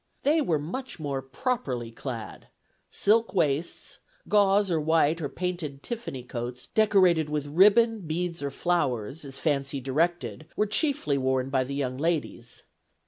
They were much more properly clad: silk waists, gauze or white or painted tiffany coats decorated with ribbon, beads, or flowers, as fancy directed, were chiefly worn by the young ladies.